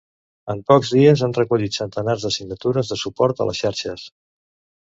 En pocs dies han recollit centenars de signatures de suport a les xarxes.